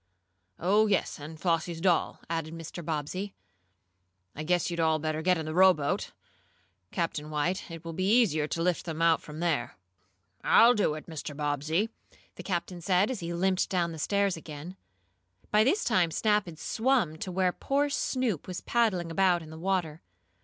"Oh, yes, and Flossie's doll," added Mr. Bobbsey. "I guess you'd better get in the rowboat, Captain White. It will be easier to lift them out from there." "I'll do it, Mr. Bobbsey," the captain said, as he limped down stairs again. By this time Snap had swum to where poor Snoop was paddling about in the water.